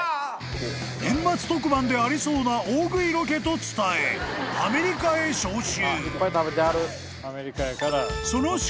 ［年末特番でありそうな大食いロケと伝えアメリカへ招集］